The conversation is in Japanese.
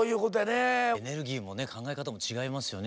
エネルギーもね考え方も違いますよね